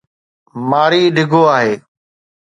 ماري ڊگهو آهي.